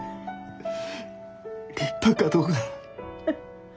立派かどうか。